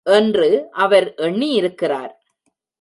என்று அவர் எண்ணியிருக்கிறார்.